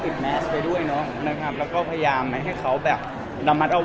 แต่ปรับกันไหนบ้าง